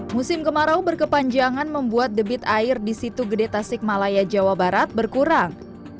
musim kemarau berkepanjangan membuat debit air di situ gede tasik malaya jawa barat berkurang